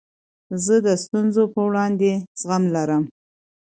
زه د ستونزو په وړاندي زغم لرم.